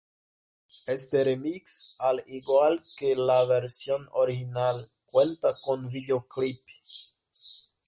Este remix, al igual que la versión original, cuenta con videoclip.